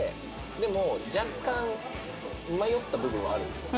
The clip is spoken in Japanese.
でも若干迷った部分はあるんですよ。